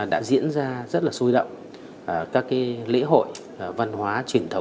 đây là một nơi đẹp nhất